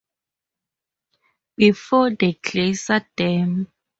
Before the glacier dam.